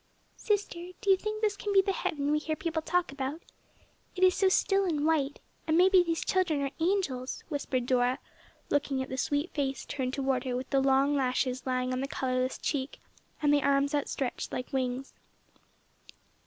"Sister, do you think this can be the Heaven we hear people talk about? It is so still and white, and may be these children are angels," whispered Dora, looking at the sweet face turned toward her with the long lashes lying on the colorless cheek, and the arms outstretched like wings.